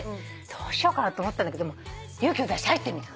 どうしようかなと思ったんだけど勇気を出して入ってみた。